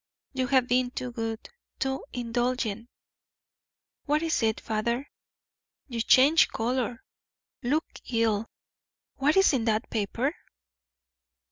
You have been too good, too indulgent. What is it, father? You change colour, look ill, what is there in that paper?"